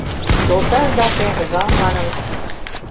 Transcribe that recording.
Йолташдаже ыжал манын